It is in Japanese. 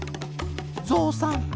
「ぞうさん」